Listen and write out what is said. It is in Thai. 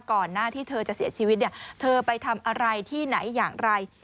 ก่อนหน้าที่เธอจะเสียชีวิตเนี่ยเธอไปทำอะไรที่ไหนอย่างไร